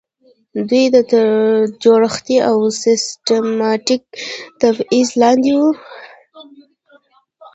دوی تر جوړښتي او سیستماتیک تبعیض لاندې وو.